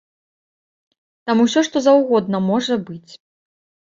Там усё што заўгодна можа быць.